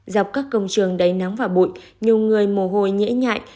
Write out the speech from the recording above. dọc các công trường đáy nắng và bụi nhiều người mồ hôi nhễ nhại